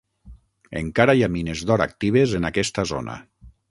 Encara hi ha mines d'or actives en aquesta zona.